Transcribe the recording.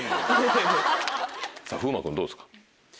さぁ風磨君どうですか？